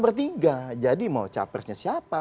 bertiga jadi mau capresnya siapa